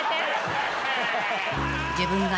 ［自分が］